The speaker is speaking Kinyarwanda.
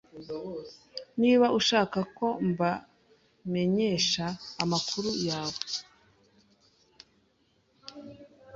Niba ushaka ko mbamenyesha amakuru yawe